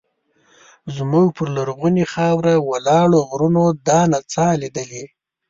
زموږ پر لرغونې خاوره ولاړو غرونو دا نڅا لیدلې.